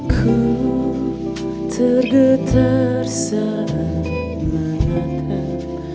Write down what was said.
ku tergetar saat menatap